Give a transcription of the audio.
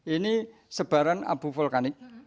ini sebaran abu vulkanik